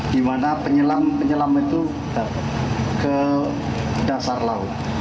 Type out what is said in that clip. dimana penyelam penyelam itu ke dasar laut